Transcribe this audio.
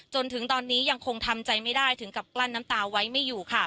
จนถึงตอนนี้ยังคงทำใจไม่ได้ถึงกับกลั้นน้ำตาไว้ไม่อยู่ค่ะ